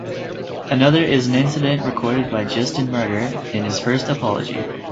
Another is an incident recorded by Justin Martyr in his "First Apology".